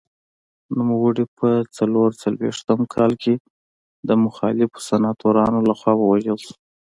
نوموړی په څلور څلوېښت کال کې د مخالفو سناتورانو لخوا ووژل شو.